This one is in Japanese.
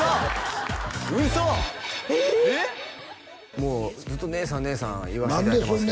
もうずっと姉さん姉さん言わせていただいてますね